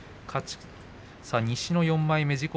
西の４枚目自己